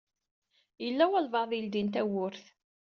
Yella walebɛaḍ i yeldin tawwurt